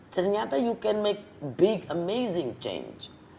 ternyata you can make big amazing change